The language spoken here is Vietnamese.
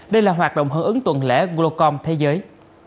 đây là hoạt động hưởng ứng tuần lễ glocom thế giới